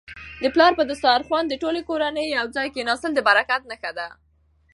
د پلار په دسترخوان د ټولې کورنی یو ځای کيناستل د برکت نښه ده.